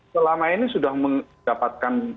selama ini sudah mendapatkan